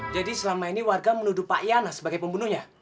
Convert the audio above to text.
jadi selama ini warga menuduh pak yana sebagai pembunuhnya